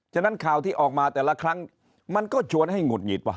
ฉะนั้นข่าวที่ออกมาแต่ละครั้งมันก็ชวนให้หงุดหงิดว่